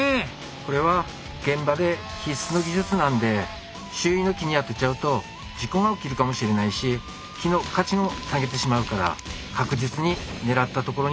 これは現場で必須の技術なんで周囲の木に当てちゃうと事故が起きるかもしれないし木の価値も下げてしまうから確実に狙った所に倒さなきゃダメです。